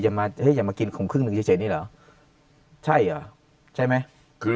จะมาเฮ้ยจะมากินขุมครึ่งนึงเฉยนี่เหรอใช่เหรอใช่ไหมคือ